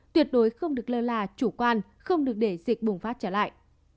tuyệt đối không được lơ là chủ quan không được để dịch bùng phát trở lại